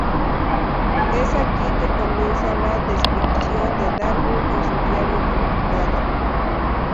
Es aquí que comienza la descripción de Darwin en su diario publicado.